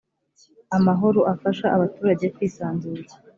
amahoro afasha abaturage kwisanzura.